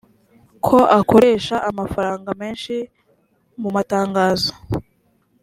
ko akoresha amafaranga menshi mu matangazo